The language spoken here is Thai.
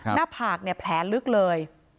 หน้าผากแผลลึกเลย